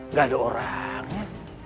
nggak ada orangnya